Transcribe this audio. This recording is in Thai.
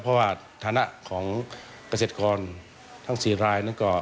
เพราะว่าฐานะของเกษตรกรทั้ง๔รายนั้นก็